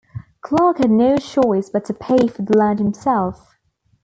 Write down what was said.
Clark had no choice but to pay for the land himself.